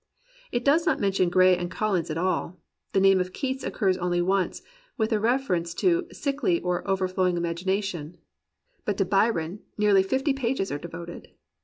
It does not mention Gray and Colhns at all; the name of Keats occurs only once, with a reference to "sickly or overflowing imagination," but to Byron nearly fifty pages are devoted.